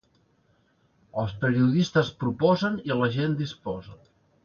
Els periodistes proposen i la gent disposa.